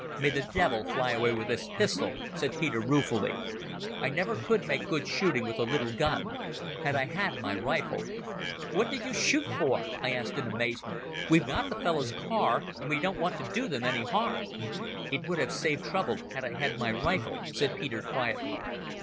"May the devil fly away with this pistol," said Peter ruefully. "I never could make good shooting with a little gun. Had I had my rifle..." "What did you shoot for?" I asked in amazement. "We've got the fellows' car, and we don't want to do them any harm." "It would have saved trouble had I had my rifle," said Peter, quietly.